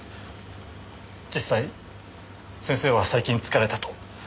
実際先生は最近疲れたと。